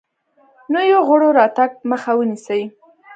نویو غړو راتګ مخه ونیسي.